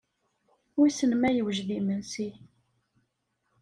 Wissen ma yewjed imensi.